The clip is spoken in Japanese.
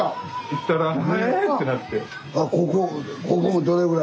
行ったら「え⁉」ってなって。